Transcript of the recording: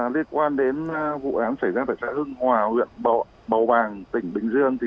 liên quan đến vụ án xảy ra tại xã hưng hòa huyện bầu bàng tỉnh bình dương